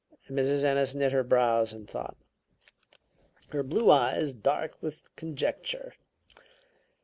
Mrs. Ennis knit her brows in thought, her blue eyes dark with conjecture.